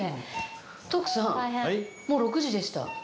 徳さんもう６時でした。